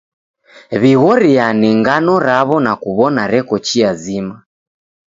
W'ighoriane ngano raw'o na kuw'ona reko chia zima.